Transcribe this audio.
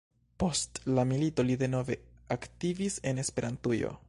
Post la milito li denove aktivis en Esperantujo.